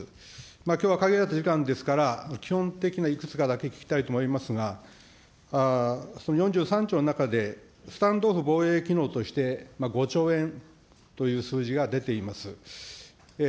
きょうは限られた時間ですから、基本的ないくつかだけ聞きたいと思いますが、その４３兆の中で、スタンド・オフ防衛機能として５兆円という数字が出ています。